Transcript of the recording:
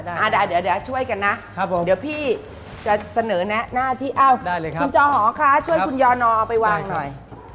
โอเคได้หน่อยดีกว่าช่วยดำค่ะคุณเจาะหรอคะช่วยคุณยอณอเอาไว้วางหน่อย